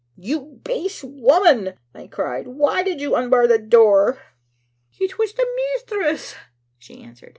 "You base woman!" I cried, "why did you unbar the door?" "It was the mistress," she answered.